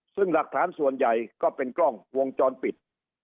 ซึ่งหลักฐานส่วนใหญ่ก็เป็นกล้องวงจรปิด